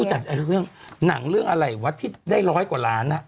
จัดเรื่องหนังเรื่องอะไรวะที่ได้ร้อยกว่าล้าน